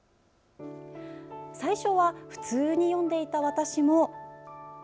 最初は普通に読んでいた私も。